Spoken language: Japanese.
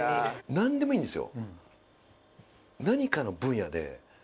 何でもいいんですよ。